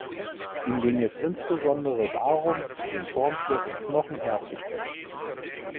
Ihm ging es insbesondere darum den Formschluss im Knochen herzustellen.